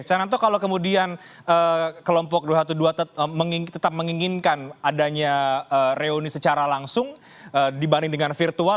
cananto kalau kemudian kelompok dua ratus dua belas tetap menginginkan adanya reuni secara langsung dibanding dengan virtual